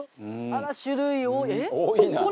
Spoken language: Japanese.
あら種類多いえっ？